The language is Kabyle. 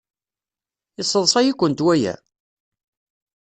Yesseḍsay-ikent waya?